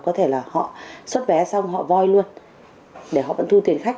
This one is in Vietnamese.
có thể là họ xuất vé xong họ voi luôn để họ vẫn thu tiền khách